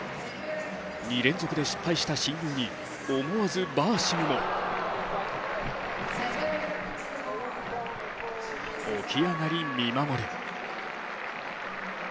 ２連続で失敗した親友に思わずバーシムも起き上がり見守る。